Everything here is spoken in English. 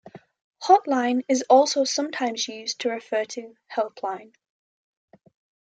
Hotline, is also sometimes used to refer to Helpline.